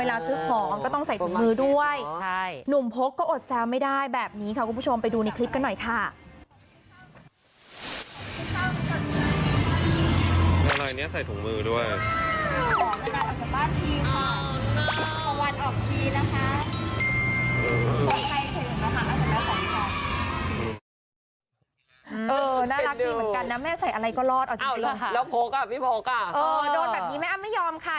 แล้วโพลกอ่ะพี่โพลกอ่ะเออโดนแบบนี้มั้ยอะไม่ยอมค่ะ